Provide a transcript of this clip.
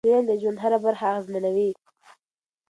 چاپیریال د ژوند هره برخه اغېزمنوي.